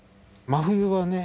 真冬はね